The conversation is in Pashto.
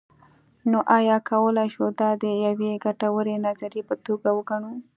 نو ایا کولی شو دا د یوې ګټورې نظریې په توګه وګڼو.